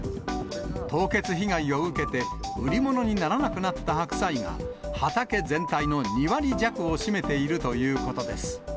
凍結被害を受けて、売り物にならなくなった白菜が、畑全体の２割弱を占めているということです。